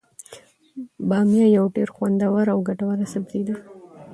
بامیه یو ډیر خوندور او ګټور سبزي دی.